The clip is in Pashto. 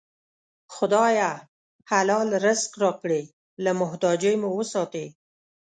خدایه! حلال رزق راکړې، له محتاجۍ مو وساتې